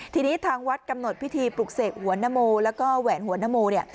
ทีนี้ทางวัดกำหนดพิธีปลุกเสกหัวนโมแล้วก็แหวนหัวนโมเนี่ย